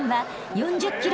４０ｋｇ